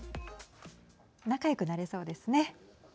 仲よくなれそうですね。